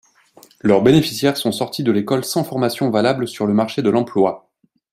Leurs bénéficiaires sont sortis de l’école sans formation valable sur le marché de l’emploi.